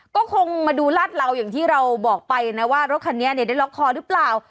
ก็คงมาดูลาดเหลาอย่างที่เราบอกไปนะว่ารถคันนี้เนี่ยได้ล็อกคอหรือเปล่า